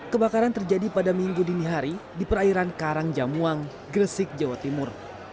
kebakaran terjadi pada minggu dini hari di perairan karangjamuang gresik jawa timur